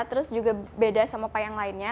terus juga beda sama pay yang lainnya